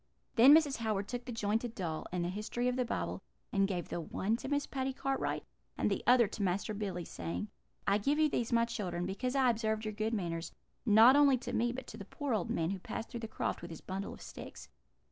"Then Mrs. Howard took the jointed doll, and the History of the Bible, and gave the one to Miss Patty Cartwright, and the other to Master Billy, saying: "'I give you these, my children, because I observed your good manners, not only to me, but to the poor old man who passed through the croft with his bundle of sticks.